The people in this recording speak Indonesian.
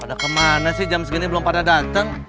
pada kemana sih jam segini belum pada dateng